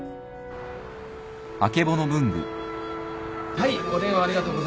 はいお電話ありがとうございます。